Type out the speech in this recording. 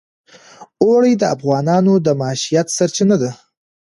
اوړي د افغانانو د معیشت سرچینه ده.